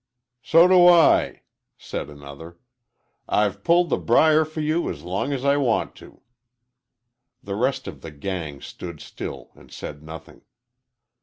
"So do I," said another. "I've pulled the brier for you as long as I want to." The rest of the "gang" stood still and said nothing.